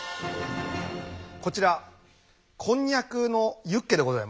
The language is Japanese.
こちらこんにゃくのユッケでございます。